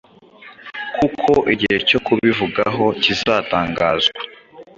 kuko igihe cyo kubivugaho kizatangazwa